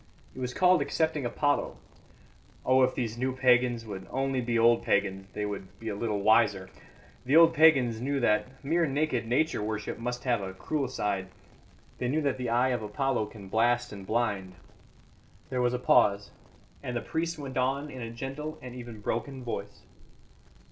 It was called accepting Apollo. Oh, if these new pagans would only be old pagans, they would be a little wiser! The old pagans knew that mere naked Nature worship must have a cruel side. They knew that the eye of Apollo can blast and blind." There was a pause, and the priest went on in a gentle and even broken voice.